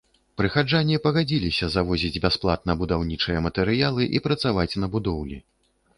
Прыхаджане пагадзіліся завозіць бясплатна будаўнічыя матэрыялы і працаваць на будоўлі.